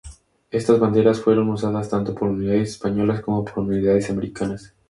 Estas banderas fueron usadas tanto por unidades españolas como por unidades americanas.